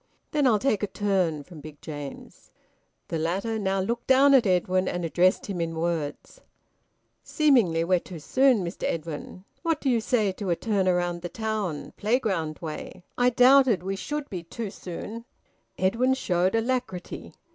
"Then I'll take a turn," from Big James. The latter now looked down at Edwin, and addressed him in words "Seemingly we're too soon, Mr Edwin. What do you say to a turn round the town playground way? I doubted we should be too soon." Edwin showed alacrity.